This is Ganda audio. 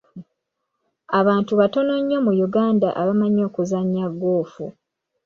Abantu batono nnyo mu Uganda abamanyi okuzannya ggoofu.